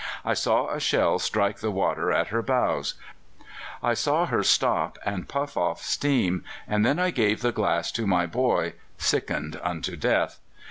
I saw a shell strike the water at her bows; I saw her stop and puff off steam, and then I gave the glass to my boy, sickened unto death.